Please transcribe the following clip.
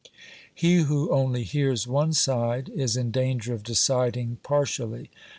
He who only hears one side is in danger of deciding partially.